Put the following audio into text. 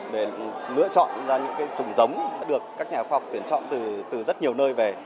để lựa chọn ra những chủng giống được các nhà khoa học tuyển chọn từ rất nhiều nơi về